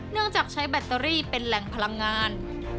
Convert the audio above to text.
จากใช้แบตเตอรี่เป็นแหล่งพลังงาน